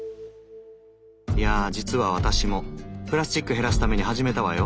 いやあ実は私もプラスチック減らすために始めたわよ。